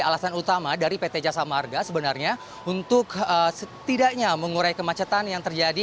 alasan utama dari pt jasa marga sebenarnya untuk setidaknya mengurai kemacetan yang terjadi